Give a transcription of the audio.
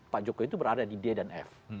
pak jokowi itu berada di d dan f